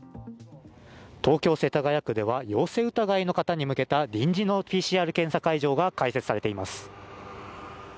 東京・世田谷区では陽性疑いの方に向けた臨時のＰＣＲ検査会場が開設されています。